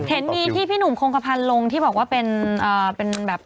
เห็นมีที่พี่หนุ่มคงกระพันธ์ลงที่บอกว่าเป็นแบบ